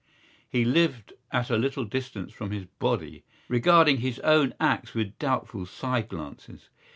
He lived at a little distance from his body, regarding his own acts with doubtful side glances.